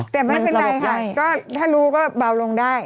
แต่มันเป็นไรถ้ารู้ก็เบาลงได้